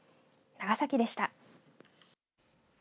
長崎でした。